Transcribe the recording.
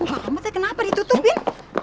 buka kamu teh kenapa ditutupin